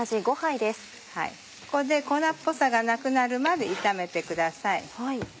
ここで粉っぽさがなくなるまで炒めてください。